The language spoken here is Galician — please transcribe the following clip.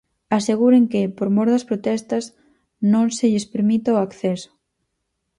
Aseguran que, por mor das protestas, non se lles permite o acceso.